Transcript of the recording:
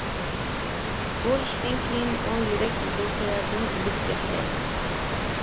بۇ ئىشتىن كېيىن ئۇ يۈرەك كېسىلى سەۋەبىدىن ئۆلۈپ كەتكەن.